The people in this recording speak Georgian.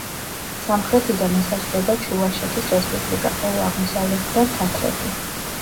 სამხრეთიდან ესაზღვრება ჩუვაშეთის რესპუბლიკა, ხოლო აღმოსავლეთიდან თათრეთი.